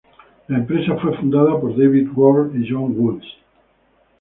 La empresa fue fundada por David Ward y Jon Woods.